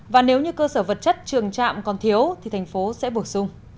và nếu như cơ sở vật chất trường trạm còn thiếu thì thành phố sẽ bổ sung